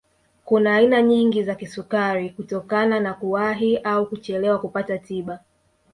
Kuna aina nyingi za kisukari kutokana na kuwahi au kuchelewa kupata tiba